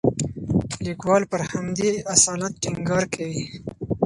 لیکوال پر همدې اصالت ټینګار کوي.